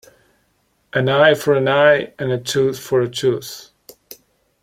An eye for an eye and a tooth for a tooth.